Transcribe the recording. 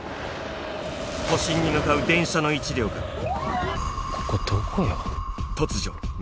都心に向かう電車の一両がここどこよ？